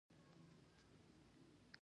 د لعل پورې ولسوالۍ پوله ده